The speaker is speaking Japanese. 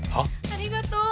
ありがとう。